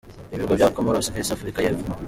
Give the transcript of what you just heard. Ibirwa bya Comoros vs Afurika y’Epfo.